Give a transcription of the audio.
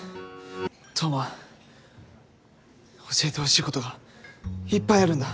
刀磨教えてほしいことがいっぱいあるんだ。